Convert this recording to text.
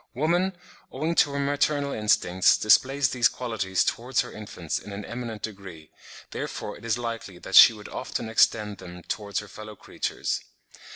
Woman, owing to her maternal instincts, displays these qualities towards her infants in an eminent degree; therefore it is likely that she would often extend them towards her fellow creatures.